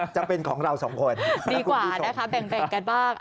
จะเป็นของเราสองคนดีกว่านะคะแบ่งกันบ้าง